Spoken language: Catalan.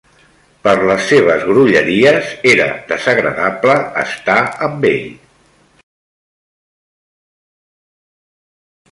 Per les seves grolleries era desagradable estar amb ell.